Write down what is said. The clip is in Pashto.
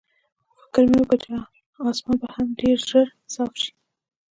فکر مې وکړ چې اسمان به هم ډېر ژر صاف شي.